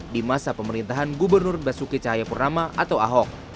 di masa pemerintahan gubernur basuki cahayapurnama atau ahok